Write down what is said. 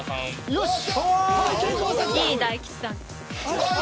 よし。